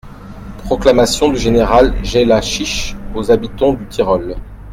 Proclamation du général Jellachich aux habitons du Tyrol.